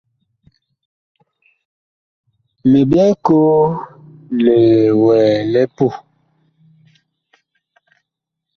Mi byɛɛ koo li wɛɛ li puh.